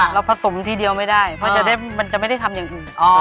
ผสมทีเดียวไม่ได้เพราะมันจะไม่ได้ทำอย่างอื่น